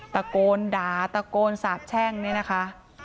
ตะโกนด่าตะโกนสาบแช่งเนี่ยนะคะ